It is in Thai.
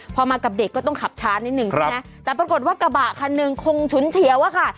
พอมากับเด็กก็ต้องขับช้านิดนึงใช่ไหมแต่ปรากฏว่ากระบะคันหนึ่งคงฉุนเฉียวอะค่ะ